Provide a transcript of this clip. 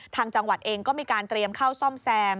ทางจังหวัดเองก็มีการเตรียมเข้าซ่อมแซม